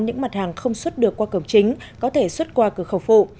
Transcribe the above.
những mặt hàng không xuất được qua cổng chính có thể xuất qua cửa khẩu phụ